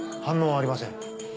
反応ありません。